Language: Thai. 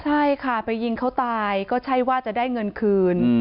ใช่ค่ะไปยิงเขาตายก็ใช่ว่าจะได้เงินคืน